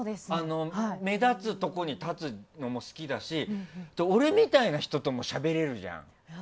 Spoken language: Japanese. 目立つところに立つのも好きだし俺みたいな人ともしゃべれるじゃん。